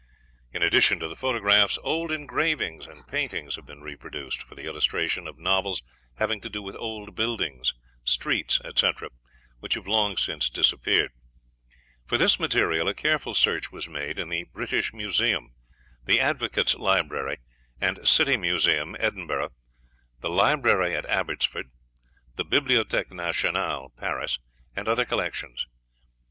In addition to the photographs, old engravings and paintings have been reproduced for the illustration of novels having to do with old buildings, streets, etc., which have long since disappeared. For this material a careful search was made in the British Museum, the Advocates' Library and City Museum, Edinburgh, the Library at Abbotsford, the Bibliotheque Nationale, Paris, and other collections.